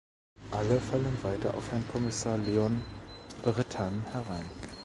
Alle fallen weiter auf Herrn Kommissar Leon Brittan herein.